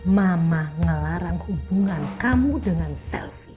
mama ngelarang hubungan kamu dengan selfie